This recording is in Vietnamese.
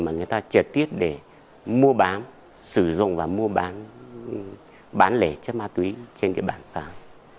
mà người ta trật tiết để mua bán sử dụng và mua bán lẻ chất ma túy trên cái bản xác